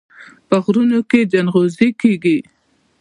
په غرونو کې ځنغوزي کیږي.